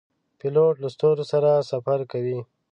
پیلوټ له ستورو سره سفر کوي.